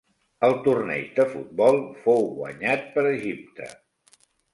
El torneig de futbol fou guanyat per Egipte.